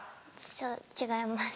そう違います。